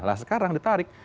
nah sekarang ditarik